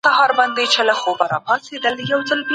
خپل زړونه د ایمان په نور روښانه کړئ.